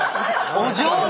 お上手！